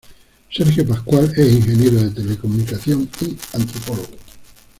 Sergio Pascual es ingeniero de Telecomunicación y antropólogo.